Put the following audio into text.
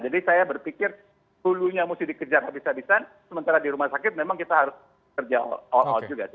jadi saya berpikir tulunya mesti dikejar habis habisan sementara di rumah sakit memang kita harus kerja awal awal juga